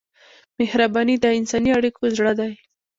مهرباني د انساني اړیکو زړه دی.